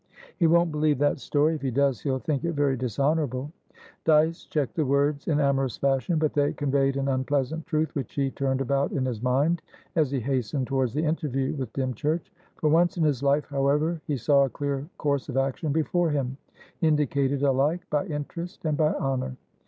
"He won't believe that story. If he does, he'll think it very dishonourable." Dyce checked the words in amorous fashion, but they conveyed an unpleasant truth, which he turned about in his mind as he hastened towards the interview with Dymchurch. For once in his life, however, he saw a clear course of action before him, indicated alike by interest and by honour.